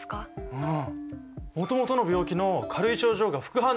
うん。